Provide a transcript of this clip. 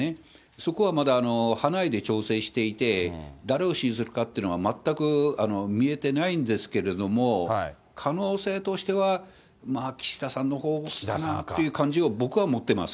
そこはまだ派内で調整していて、誰を支持するかっていうのは全く見えてないんですけれども、可能性としては岸田さんのほうかなっていう感じを僕は持ってます。